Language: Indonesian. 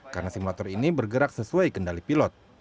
karena simulator ini bergerak sesuai kendali pilot